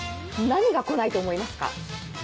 何が来ないと思いますか？